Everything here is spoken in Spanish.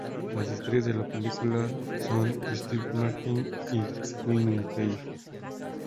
Las estrellas de película son Steve Martin y Queen Latifah.